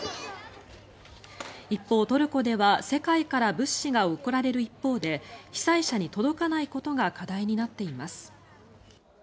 一方、トルコでは世界から物資が送られる一方で被災者に届かないことが課題になっています。